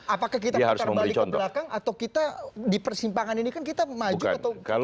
apakah kita putar balik ke belakang atau kita di persimpangan ini kan kita maju atau